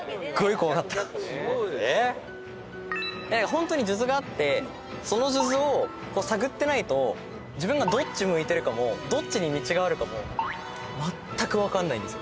ホントに数珠があってその数珠を探ってないと自分がどっち向いてるかもどっちに道があるかもまったく分かんないです。